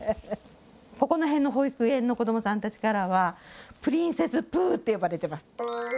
ここの辺の保育園の子どもさんたちからはプリンセスプーって呼ばれてます！